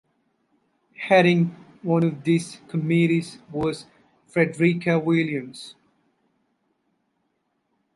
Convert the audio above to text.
Heading one of these committees was Frederica Williams.